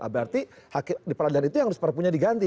berarti di peradilan itu yang harus perpunya diganti